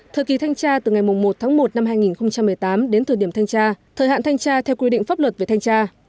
thời kỳ thanh tra từ ngày một tháng một năm hai nghìn một mươi tám đến thời điểm thanh tra thời hạn thanh tra theo quy định pháp luật về thanh tra